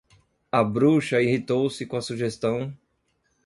A bruxa irritou-se com a sugestão